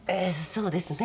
そうですね。